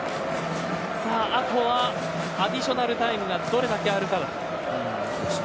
あとはアディショナルタイムがどれだけあるか。